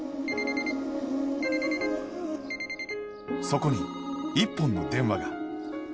そこに一本の電話が